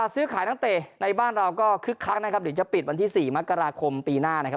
ซื้อขายนักเตะในบ้านเราก็คึกคักนะครับเดี๋ยวจะปิดวันที่๔มกราคมปีหน้านะครับ